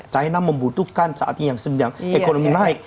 china membutuhkan saat ini yang sedang ekonomi naik